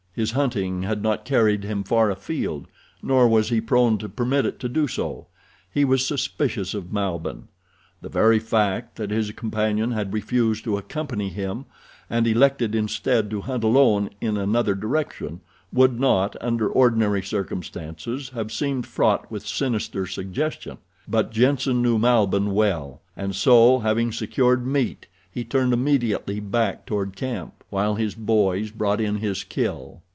His hunting had not carried him far afield, nor was he prone to permit it to do so. He was suspicious of Malbihn. The very fact that his companion had refused to accompany him and elected instead to hunt alone in another direction would not, under ordinary circumstances, have seemed fraught with sinister suggestion; but Jenssen knew Malbihn well, and so, having secured meat, he turned immediately back toward camp, while his boys brought in his kill.